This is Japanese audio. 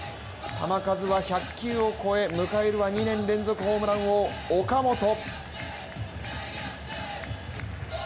球数は１００球を超え迎えるは２年連続ホームラン王、岡本。